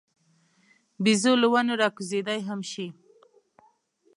بیزو له ونو راکوزېدای هم شي.